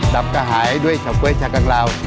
กระหายด้วยเฉาก๊วยชากังลาว